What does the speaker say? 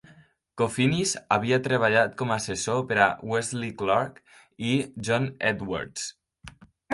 Kofinis havia treballat com a assessor per a Wesley Clark i John Edwards.